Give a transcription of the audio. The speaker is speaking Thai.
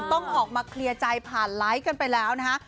ต้องออกมาเคลียร์ใจผ่านไลค์กันไปแล้วนะคะ